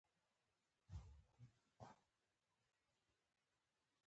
نور د سترګو، لمر مې یې